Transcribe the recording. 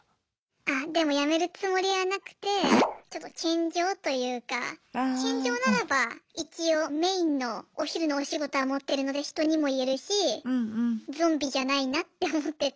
あでも辞めるつもりはなくてちょっと兼業というか兼業ならば一応メインのお昼のお仕事は持ってるので人にも言えるしゾンビじゃないなって思ってて